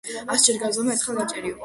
ასჯერ გაზომე, ერთხელ გაჭერიო.